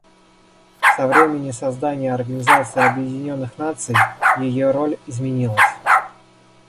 Со времени создания Организации Объединенных Наций ее роль изменилась.